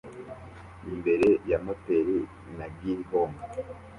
imbere ya moteri na gihome